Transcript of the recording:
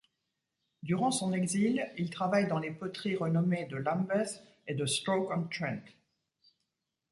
Durant son exil, il travaille dans les poteries renommées de Lambeth et de Stoke-on-Trent.